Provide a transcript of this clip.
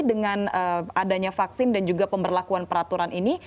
dengan adanya vaksin dan juga pemberlakuan peraturan ini